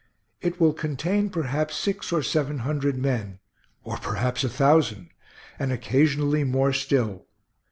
It will contain perhaps six or seven hundred men, or perhaps a thousand, and occasionally more still.